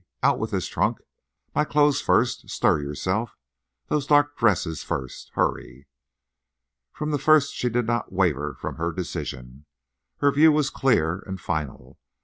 Out with this trunk. My clothes first. Stir yourself. Those dark dresses first. Hurry." From the first she did not waver from her decision. Her view was clear and final.